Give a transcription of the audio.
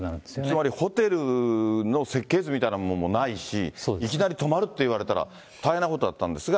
つまりホテルの設計図みたいなものもないし、いきなり泊まるって言われたら、大変なことだったんですが。